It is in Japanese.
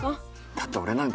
だって俺なんか。